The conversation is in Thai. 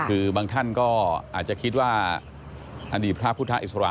คือบางท่านก็อาจจะคิดว่าอดีตพระพุทธอิสระ